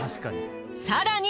更に。